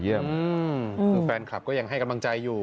คือแฟนคลับก็ยังให้กำลังใจอยู่